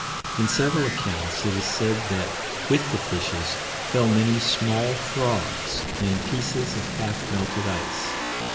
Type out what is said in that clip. In several accounts, it is said that, with the fishes, fell many small frogs and "pieces of half melted ice."